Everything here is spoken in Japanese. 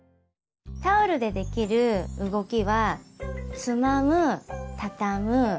タオルでできる動きは「つまむ」「たたむ」